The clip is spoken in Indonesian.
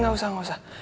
eh gak usah gak usah